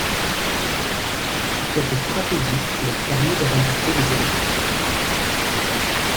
Cette stratégie leur permet de remporter les élections.